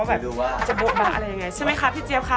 ไม่รู้ว่าจะบกมาอะไรยังไงใช่ไหมคะพี่เจี๊ยบคะ